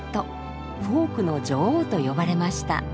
フォークの女王と呼ばれました。